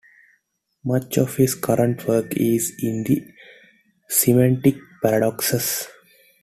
Much of his current work is in the semantic paradoxes.